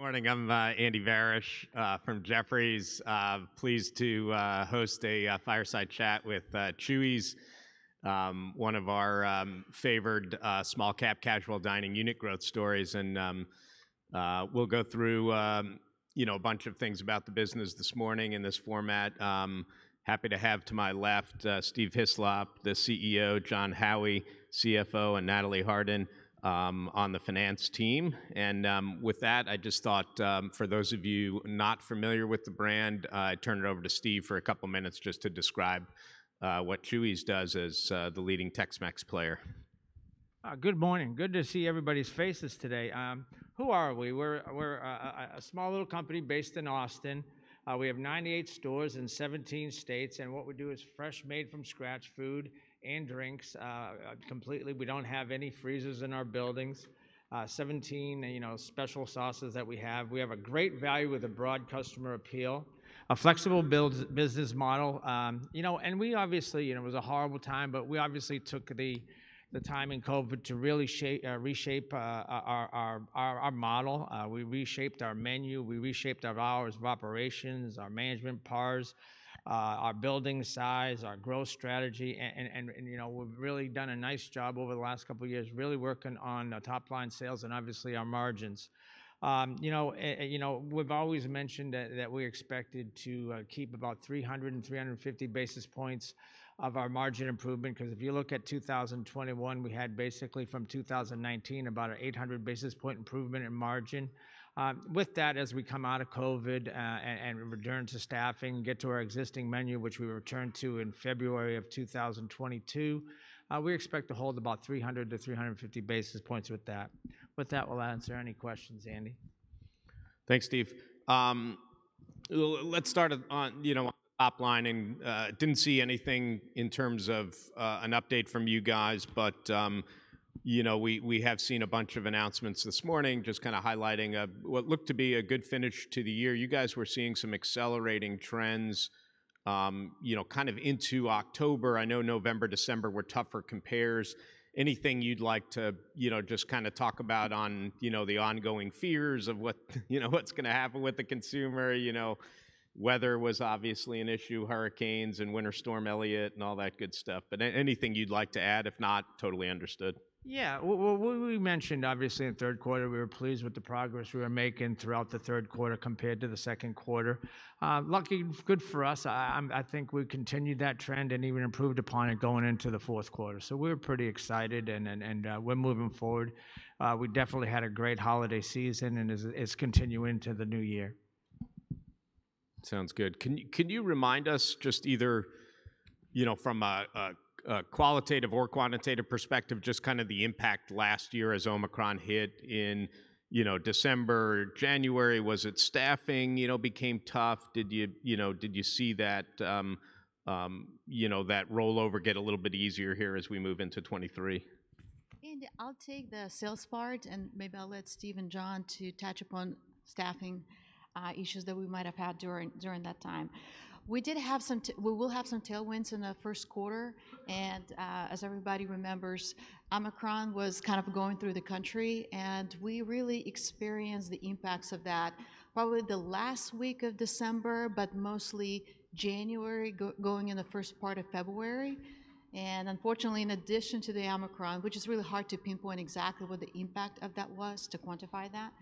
Morning. I'm Andy Barish from Jefferies. Pleased to host a fireside chat with Chuy's, one of our favored small cap casual dining unit growth stories. We'll go through, you know, a bunch of things about the business this morning in this format. Happy to have to my left, Steve Hislop, the CEO, Jon Howie, CFO, and Natalie Harden on the finance team. With that, I just thought, for those of you not familiar with the brand, I'd turn it over to Steve for a couple minutes just to describe what Chuy's does as the leading Tex-Mex player. Good morning. Good to see everybody's faces today. Who are we? We're a small little company based in Austin. We have 98 stores in 17 states, and what we do is fresh made from scratch food and drinks. Completely we don't have any freezers in our buildings. 17, you know, special sauces that we have. We have a great value with a broad customer appeal. A flexible build, business model. You know, we obviously, you know, it was a horrible time, but we obviously took the time in COVID to really reshape our model. We reshaped our menu. We reshaped our hours of operations, our management pars, our building size, our growth strategy. You know, we've really done a nice job over the last couple years really working on the top line sales and obviously our margins. you know, you know, we've always mentioned that we expected to keep about 300-350 basis points of our margin improvement, because if you look at 2021, we had basically from 2019 about an 800 basis point improvement in margin. With that, as we come out of COVID, and return to staffing, get to our existing menu, which we returned to in February of 2022, we expect to hold about 300-350 basis points with that. With that, we'll answer any questions, Andy. Thanks, Steve. Let's start on, you know, on top line. Didn't see anything in terms of an update from you guys. You know, we have seen a bunch of announcements this morning just kinda highlighting a, what looked to be a good finish to the year. You guys were seeing some accelerating trends, you know, kind of into October. I know November, December were tougher compares. Anything you'd like to, you know, just kinda talk about on, you know, the ongoing fears of what, you know, what's gonna happen with the consumer? You know, weather was obviously an issue, hurricanes and Winter Storm Elliott and all that good stuff. Anything you'd like to add? If not, totally understood. Yeah. Well, we mentioned obviously in third quarter, we were pleased with the progress we were making throughout the third quarter compared to the second quarter. Lucky, good for us, I think we continued that trend and even improved upon it going into the fourth quarter. We're pretty excited and we're moving forward. We definitely had a great holiday season, and it's continuing to the new year. Sounds good. Can you remind us just either, you know, from a qualitative or quantitative perspective, just kind of the impact last year as Omicron hit in, you know, December, January? Was it staffing, you know, became tough? Did you know, did you see that, you know, that rollover get a little bit easier here as we move into 2023? Andy, I'll take the sales part. Maybe I'll let Steve and Jon to touch upon staffing issues that we might have had during that time. We did have some. We will have some tailwinds in the first quarter. As everybody remembers, Omicron was kind of going through the country, and we really experienced the impacts of that probably the last week of December, but mostly January going in the first part of February. Unfortunately, in addition to the Omicron, which is really hard to pinpoint exactly what the impact of that was to quantify that.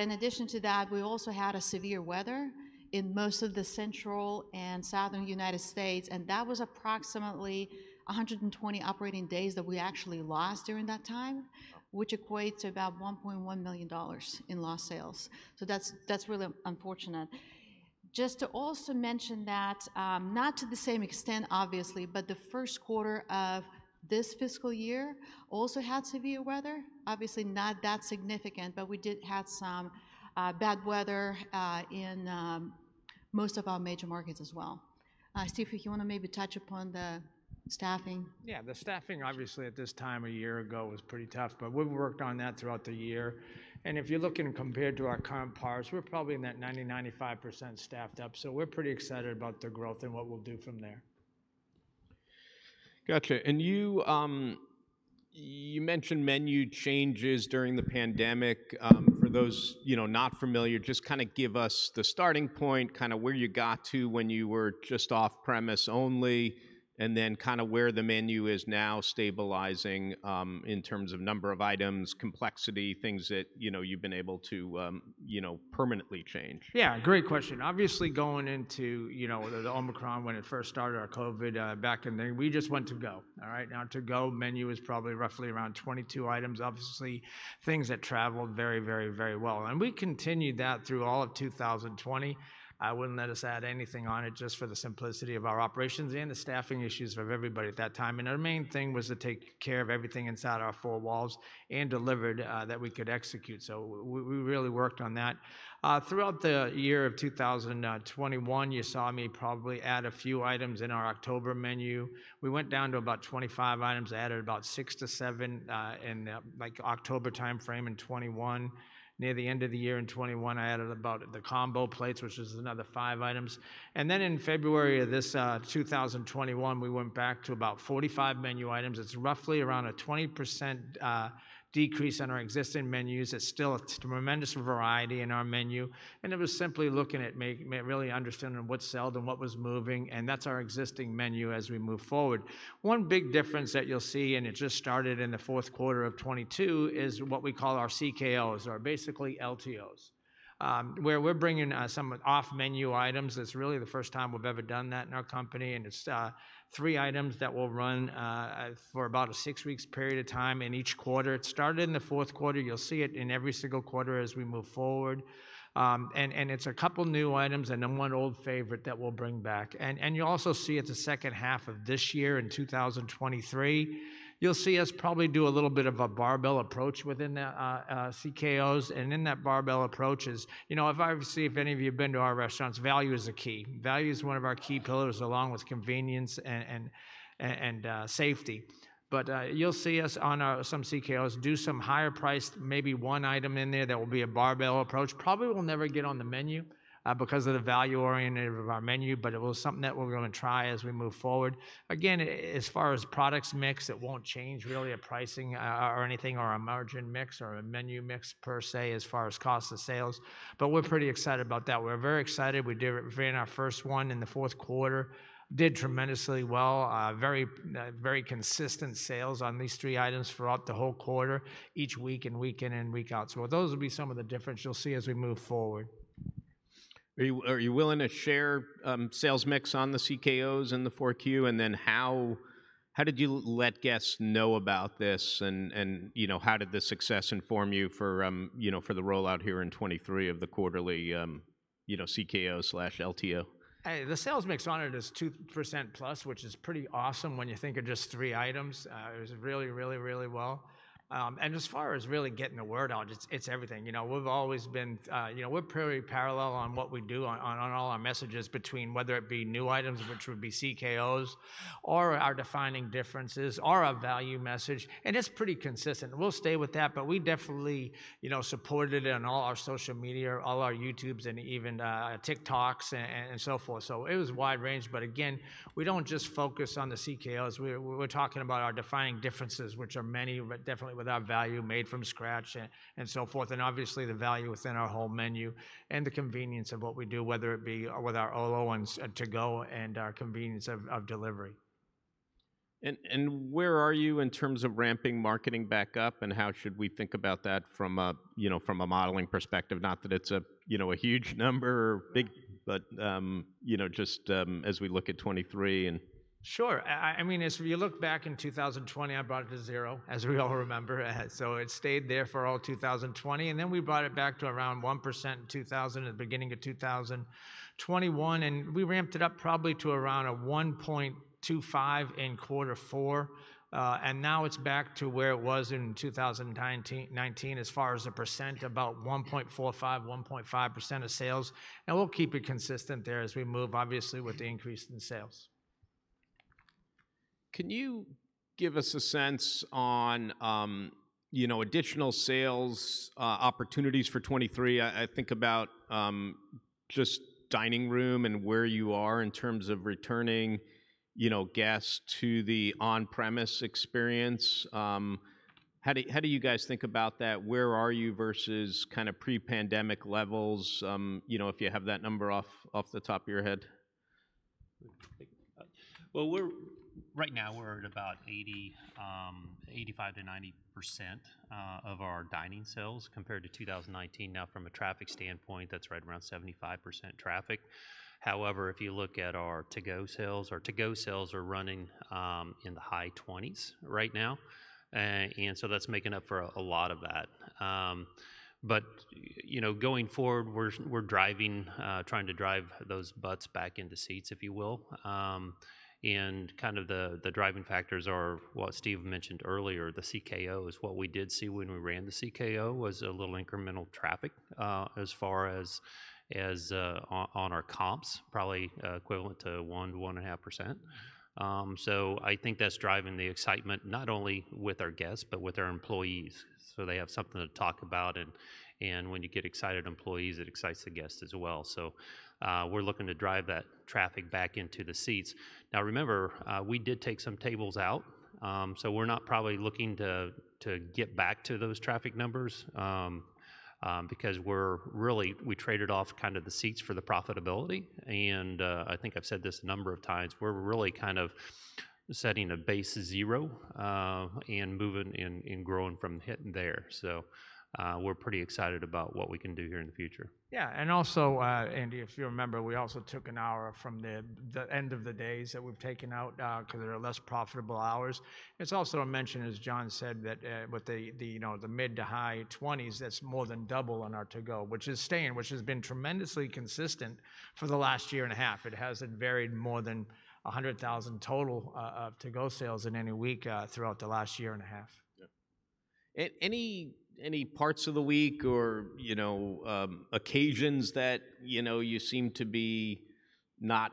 In addition to that, we also had a severe weather in most of the central and southern United States, and that was approximately 120 operating days that we actually lost during that time, which equates to about $1.1 million in lost sales. That's really unfortunate. Just to also mention that, not to the same extent obviously, but the first quarter of this fiscal year also had severe weather. Obviously, not that significant, but we did have some bad weather in most of our major markets as well. Steve, if you wanna maybe touch upon the staffing. Yeah. The staffing obviously at this time a year ago was pretty tough, but we've worked on that throughout the year. If you're looking compared to our comp pars, we're probably in that 90%-95% staffed up. We're pretty excited about the growth and what we'll do from there. Gotcha. You mentioned menu changes during the pandemic. For those, you know, not familiar, just kinda give us the starting point, kinda where you got to when you were just off premise only, and then kinda where the menu is now stabilizing, in terms of number of items, complexity, things that, you know, you've been able to, you know, permanently change. Yeah, great question. Obviously, going into, you know, the Omicron when it first started or COVID, back in then, we just went to go, all right. Now, to-go menu is probably roughly around 22 items. Obviously, things that traveled very, very, very well. We continued that through all of 2020. Wouldn't let us add anything on it just for the simplicity of our operations and the staffing issues of everybody at that time. Our main thing was to take care of everything inside our four walls and delivered that we could execute. We really worked on that. Throughout the year of 2021, you saw me probably add a few items in our October menu. We went down to about 25 items, added about six to seven, in the, like, October timeframe in 2021. Near the end of the year in 2021, I added about the combo plates, which is another five items. Then in February of this 2021, we went back to about 45 menu items. It's roughly around a 20% decrease in our existing menus. It's still a tremendous variety in our menu, and it was simply looking at really understanding what sold and what was moving, and that's our existing menu as we move forward. One big difference that you'll see, and it just started in the fourth quarter of 2022, is what we call our CKO's or basically LTOs. We're bringing some off-menu items. It's really the first time we've ever done that in our company, and it's three items that will run for about a six weeks period of time in each quarter. It started in the fourth quarter. You'll see it in every single quarter as we move forward. It's a couple new items and then one old favorite that we'll bring back. You'll also see it's a second half of this year in 2023. You'll see us probably do a little bit of a barbell approach within the CKO's. In that barbell approach is, you know, if I see if any of you have been to our restaurants, value is a key. Value is one of our key pillars along with convenience and safety. You'll see us on some CKO's do some higher priced, maybe one item in there that will be a barbell approach. Probably will never get on the menu, because of the value orientation of our menu, but it was something that we're gonna try as we move forward. Again, as far as products mix, it won't change really our pricing or anything, or our margin mix, or our menu mix per se, as far as cost of sales. We're pretty excited about that. We're very excited. We did, we ran our first one in the fourth quarter. Did tremendously well. Very consistent sales on these three items throughout the whole quarter, each week and week in and week out. Those will be some of the difference you'll see as we move forward. Are you willing to share sales mix on the CKO's in the 4Q? How did you let guests know about this and, you know, how did the success inform you for, you know, for the rollout here in 2023 of the quarterly, you know, CKO/LTO? Hey, the sales mix on it is 2%+, which is pretty awesome when you think of just three items. It was really well. As far as really getting the word out, it's everything. You know, we've always been, you know, we're pretty parallel on what we do on all our messages between whether it be new items, which would be CKO's, or our defining differences or our value message, it's pretty consistent. We'll stay with that, we definitely, you know, support it in all our social media, all our YouTubes, and even TikToks and so forth. It was wide range. Again, we don't just focus on the CKO's. We're talking about our defining differences, which are many, but definitely with our value made from scratch and so forth. Obviously the value within our whole menu and the convenience of what we do, whether it be with our Olo ones, our to-go, and our convenience of delivery. Where are you in terms of ramping marketing back up, and how should we think about that from a, you know, from a modeling perspective? Not that it's a, you know, a huge number or big, but, you know, just, as we look at 2023 and... Sure. I mean, as you look back in 2020, I brought it to zero, as we all remember. So it stayed there for all of 2020, and then we brought it back to around 1% in beginning of 2021, and we ramped it up probably to around a 1.25 in Q4. Now it's back to where it was in 2019 as far as the percent, about 1.45, 1.5% of sales. And we'll keep it consistent there as we move, obviously, with the increase in sales. Can you give us a sense on, you know, additional sales opportunities for 2023? I think about just dining room and where you are in terms of returning, you know, guests to the on-premise experience. How do you guys think about that? Where are you versus kind of pre-pandemic levels, you know, if you have that number off the top of your head? Well, right now we're at about 85%-90% of our dining sales compared to 2019. From a traffic standpoint, that's right around 75% traffic. If you look at our to-go sales, our to-go sales are running in the high 20s right now. That's making up for a lot of that. You know, going forward, we're driving, trying to drive those butts back into seats, if you will. Kind of the driving factors are what Steve mentioned earlier, the CKO, is what we did see when we ran the CKO was a little incremental traffic, as far as on our comps, probably equivalent to 1%-1.5%. I think that's driving the excitement, not only with our guests, but with our employees, so they have something to talk about. When you get excited employees, it excites the guests as well. We're looking to drive that traffic back into the seats. Now remember, we did take some tables out, so we're not probably looking to get back to those traffic numbers, because we're really, we traded off kind of the seats for the profitability. I think I've said this a number of times, we're really kind of setting a base zero, and moving and growing from hitting there. We're pretty excited about what we can do here in the future. Yeah. Also, Andy, if you remember, we also took an hour from the end of the days that we've taken out because they are less profitable hours. It's also a mention, as Jon Howie said, that with the, you know, the mid to high twenties, that's more than double on our to-go, which is staying, which has been tremendously consistent for the last year and a half. It hasn't varied more than $100,000 total of to-go sales in any week throughout the last year and a half. Yeah. Any parts of the week or, you know, occasions that, you know, you seem to be not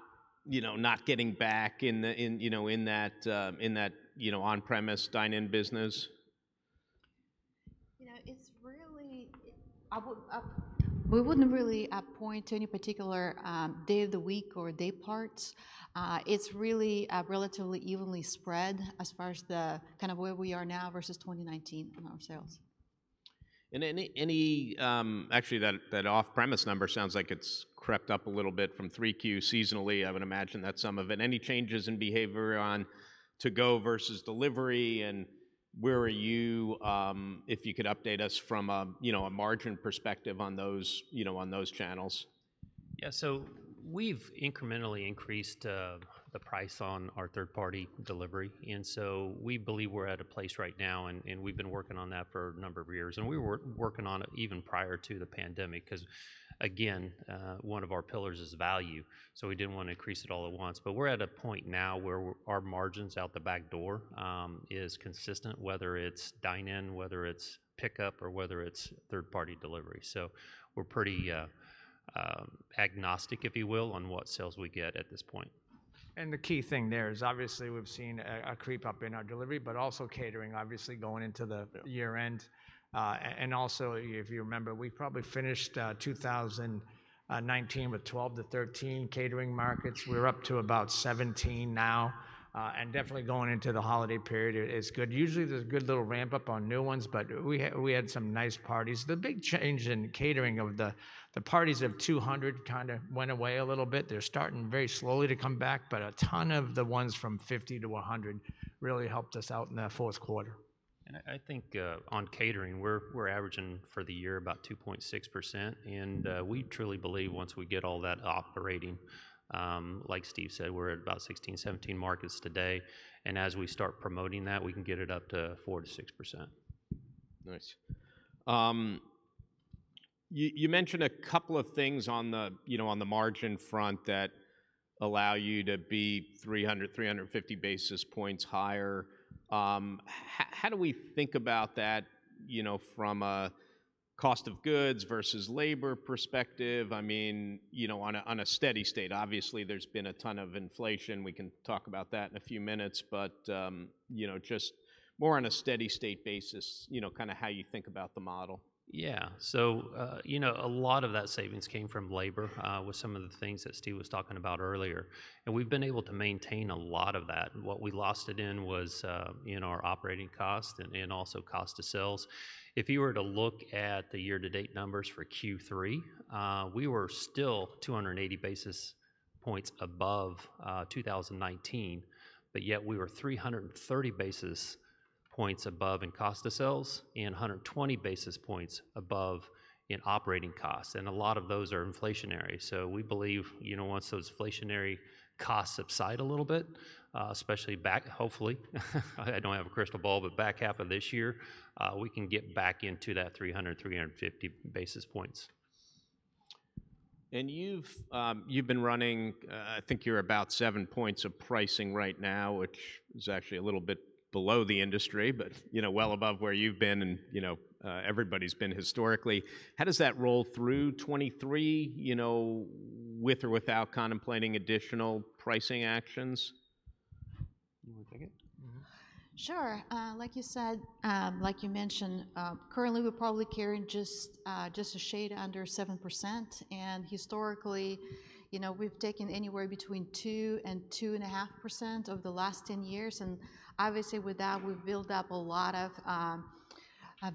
getting back in the, you know, in that, you know, on-premise dine-in business? You know, it's really. I would, we wouldn't really appoint any particular day of the week or day parts. It's really relatively evenly spread as far as the kind of where we are now versus 2019 in our sales. Any, actually, that off-premise number sounds like it's crept up a little bit from 3Q seasonally. I would imagine that's some of it. Any changes in behavior on to-go versus delivery. Where are you, if you could update us from a, you know, a margin perspective on those, you know, on those channels? Yeah. We've incrementally increased the price on our third-party delivery. We believe we're at a place right now, and we've been working on that for a number of years. We were working on it even prior to the pandemic, because again, one of our pillars is value. We didn't want to increase it all at once. We're at a point now where our margin's out the back door is consistent, whether it's dine-in, whether it's pickup, or whether it's third-party delivery. We're pretty agnostic, if you will, on what sales we get at this point. The key thing there is obviously we've seen a creep up in our delivery, but also catering obviously going into the year-end. Also, if you remember, we probably finished 2019 with 12 to 13 catering markets. We're up to about 17 now, and definitely going into the holiday period is good. Usually there's good little ramp-up on new ones, but we had some nice parties. The big change in catering of the parties of 200 kinda went away a little bit. They're starting very slowly to come back, but a ton of the ones from 50 to 100 really helped us out in that fourth quarter. I think on catering, we're averaging for the year about 2.6%. We truly believe once we get all that operating, like Steve said, we're at about 16, 17 markets today. As we start promoting that, we can get it up to 4%-6%. Nice. You mentioned a couple of things on the, you know, on the margin front that allow you to be 300, 350 basis points higher. How do we think about that, you know, from a cost of goods versus labor perspective? I mean, you know, on a steady state. Obviously, there's been a ton of inflation. We can talk about that in a few minutes, but, you know, just more on a steady state basis, you know, kinda how you think about the model. Yeah. You know, a lot of that savings came from labor with some of the things that Steve was talking about earlier. We've been able to maintain a lot of that. What we lost it in was in our operating cost and also cost of sales. If you were to look at the year-to-date numbers for Q3, we were still 280 basis points above 2019, but yet we were 330 basis points above in cost of sales and 120 basis points above in operating costs, and a lot of those are inflationary. We believe, you know, once those inflationary costs subside a little bit, especially back, hopefully, I don't have a crystal ball, but back half of this year, we can get back into that 300, 350 basis points. You've been running, I think you're about seven points of pricing right now, which is actually a little bit below the industry, but, you know, well above where you've been and, you know, everybody's been historically. How does that roll through 2023, you know, with or without contemplating additional pricing actions? You wanna take it? Sure. like you said, like you mentioned, currently we're probably carrying just a shade under 7%. Historically, you know, we've taken anywhere between 2% and 2.5% over the last 10 years. Obviously with that, we've built up a lot of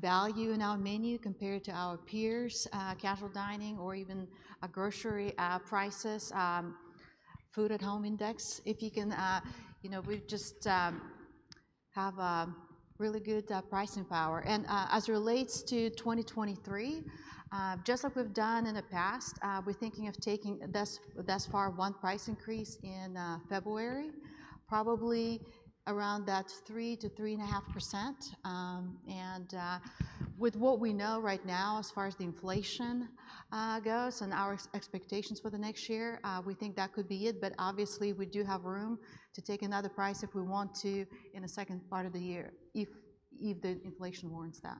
value in our menu compared to our peers', casual dining or even grocery prices, food at home index. If you can, you know, we've just have a really good pricing power. As it relates to 2023, just like we've done in the past, we're thinking of taking thus far one price increase in February, probably around that 3%-3.5%. With what we know right now as far as the inflation goes and our expectations for the next year, we think that could be it. Obviously we do have room to take another price if we want to in the second part of the year if the inflation warrants that.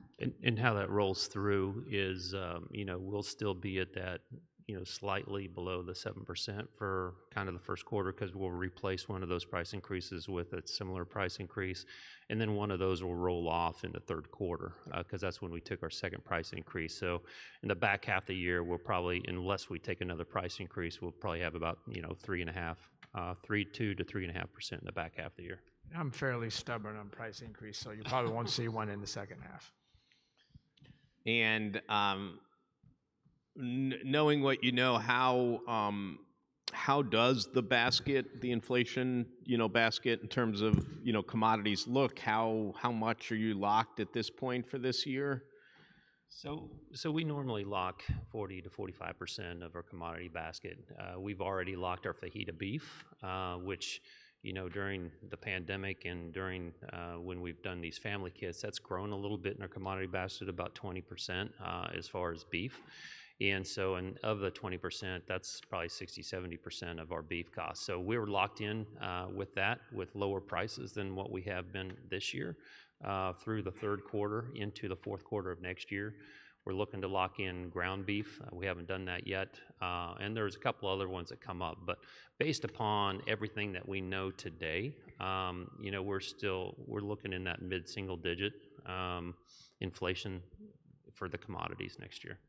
How that rolls through is, you know, we'll still be at that, you know, slightly below the 7% for kind of the first quarter 'cause we'll replace one of those price increases with a similar price increase. Then one of those will roll off in the third quarter, 'cause that's when we took our second price increase. In the back half of the year, we'll probably, unless we take another price increase, we'll probably have about, you know, 3.5%, 3%, 2%-3.5% in the back half of the year. You probably won't see one in the second half. Knowing what you know, how does the basket, the inflation, you know, basket in terms of, you know, commodities look? How much are you locked at this point for this year? We normally lock 40%-45% of our commodity basket. We've already locked our fajita beef, which, you know, during the pandemic and during when we've done these family kits, that's grown a little bit in our commodity basket, about 20% as far as beef. Of the 20%, that's probably 60%-70% of our beef cost. We're locked in with that with lower prices than what we have been this year, through the third quarter into the fourth quarter of next year. We're looking to lock in ground beef. We haven't done that yet. There's a couple other ones that come up. Based upon everything that we know today, you know, we're still, we're looking in that mid-single digit inflation for the commodities next year.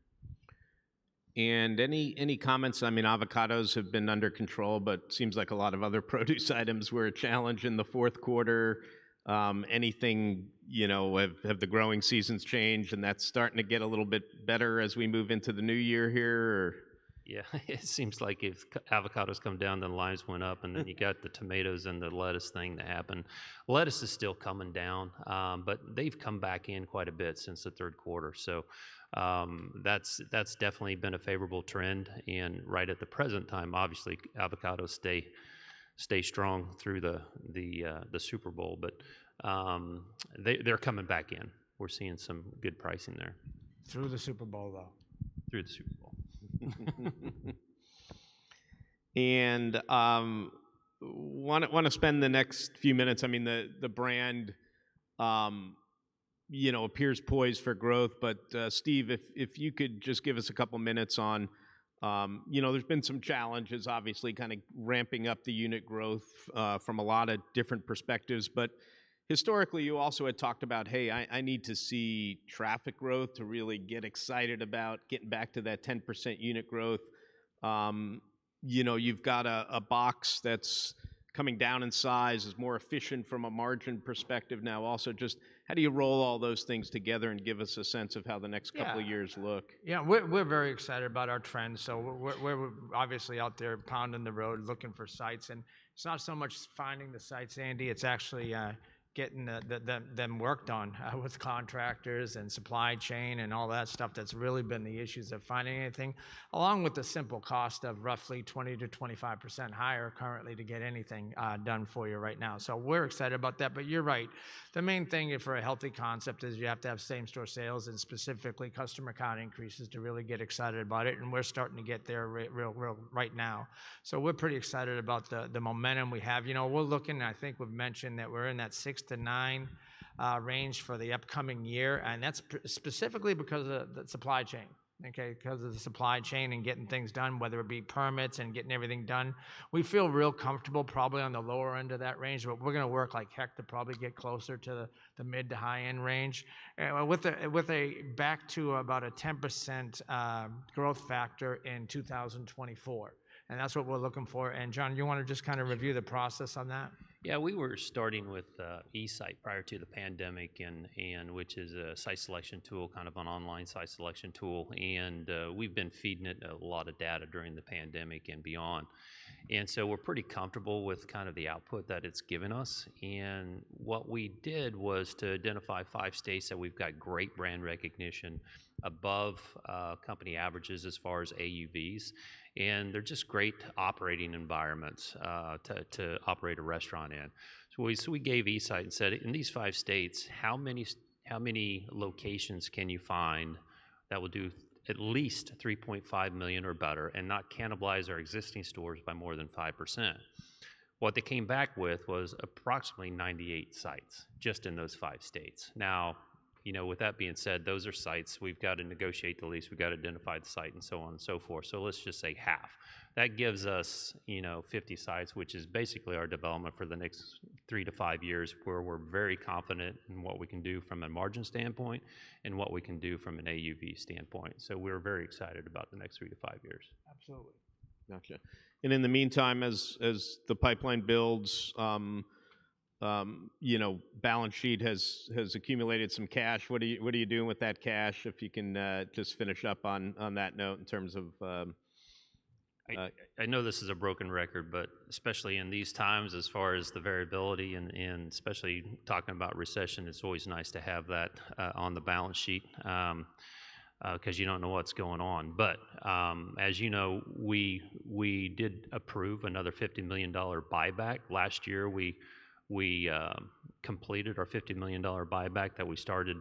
Any comments? I mean, avocados have been under control, but seems like a lot of other produce items were a challenge in the fourth quarter. Anything, you know, have the growing seasons changed and that's starting to get a little bit better as we move into the new year here? Yeah. It seems like if avocados come down, then limes went up, and then you got the tomatoes and the lettuce thing to happen. Lettuce is still coming down, but they've come back in quite a bit since the third quarter. That's definitely been a favorable trend. Right at the present time, obviously, avocados stay strong through the Super Bowl. They're coming back in. We're seeing some good pricing there. Through the Super Bowl, though. Through the Super Bowl. Wanna spend the next few minutes. I mean, the brand, you know, appears poised for growth. Steve, if you could just give us a couple minutes on. You know, there's been some challenges, obviously, kinda ramping up the unit growth from a lotta different perspectives. Historically, you also had talked about, "Hey, I need to see traffic growth to really get excited about getting back to that 10% unit growth." You know, you've got a box that's coming down in size. It's more efficient from a margin perspective now. Also, just how do you roll all those things together and give us a sense of how the next couple years look? We're very excited about our trends. We're obviously out there pounding the road, looking for sites. It's not so much finding the sites, Andy. It's actually getting them worked on with contractors and supply chain and all that stuff that's really been the issues of finding anything. Along with the simple cost of roughly 20%-25% higher currently to get anything done for you right now. We're excited about that. You're right. The main thing for a healthy concept is you have to have same store sales and specifically customer count increases to really get excited about it, and we're starting to get there real right now. We're pretty excited about the momentum we have. You know, we're looking, and I think we've mentioned that we're in that six to nine range for the upcoming year, and that's specifically because of the supply chain, okay? 'Cause of the supply chain and getting things done, whether it be permits and getting everything done. We feel real comfortable probably on the lower end of that range, but we're gonna work like heck to probably get closer to the mid to high-end range. With a back to about a 10% growth factor in 2024, and that's what we're looking for. Jon, you wanna just kinda review the process on that? Yeah. We were starting with eSite prior to the pandemic and which is a site selection tool, kind of an online site selection tool. We've been feeding it a lot of data during the pandemic and beyond. We're pretty comfortable with kind of the output that it's given us. What we did was to identify five states that we've got great brand recognition above company averages as far as AUVs. They're just great operating environments to operate a restaurant in. So we gave eSite and said, "In these five states, how many locations can you find that will do at least $3.5 million or better and not cannibalize our existing stores by more than 5%?" What they came back with was approximately 98 sites just in those five states. Now, you know, with that being said, those are sites. We've got to negotiate the lease. We've gotta identify the site and so on and so forth, so let's just say half. That gives us, you know, 50 sites, which is basically our development for the next three to five years, where we're very confident in what we can do from a margin standpoint and what we can do from an AUV standpoint. We're very excited about the next three to five years. Absolutely. Gotcha. In the meantime, as the pipeline builds, you know, balance sheet has accumulated some cash. What are you doing with that cash? If you can, just finish up on that note in terms of. I know this is a broken record, especially in these times as far as the variability and especially talking about recession, it's always nice to have that on the balance sheet, 'cause you don't know what's going on. As you know, we did approve another $50 million buyback. Last year, we completed our $50 million buyback that we started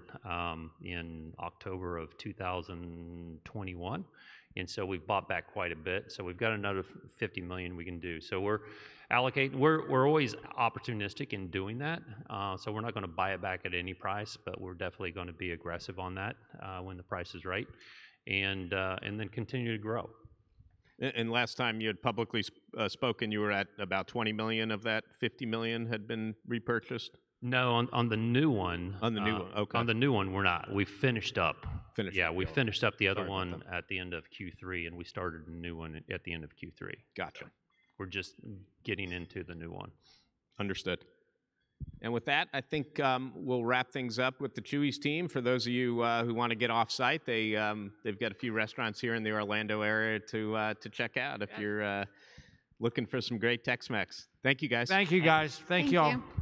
in October of 2021. We've bought back quite a bit. We've got another $50 million we can do. We're always opportunistic in doing that. We're not gonna buy it back at any price, but we're definitely gonna be aggressive on that when the price is right, then continue to grow. Last time you had publicly spoken, you were at about $20 million of that $50 million had been repurchased? No, on the new one. On the new one. Okay. On the new one, we're not. We finished up. Finished. Yeah, we finished up the other one at the end of Q3, and we started a new one at the end of Q3. Gotcha. We're just getting into the new one. Understood. With that, I think, we'll wrap things up with the Chuy's team. For those of you, who wanna get off-site, they've got a few restaurants here in the Orlando area to check out if you're, looking for some great Tex-Mex. Thank you, guys. Thank you, guys. Thank y'all. Thanks. Thank you.